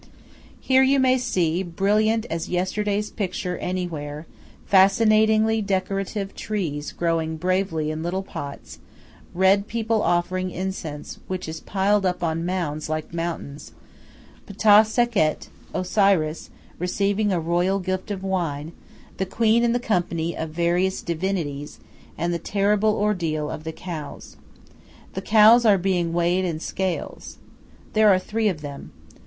Here you may see, brilliant as yesterday's picture anywhere, fascinatingly decorative trees growing bravely in little pots, red people offering incense which is piled up on mounds like mountains, Ptah Seket, Osiris receiving a royal gift of wine, the queen in the company of various divinities, and the terrible ordeal of the cows. The cows are being weighed in scales. There are three of them.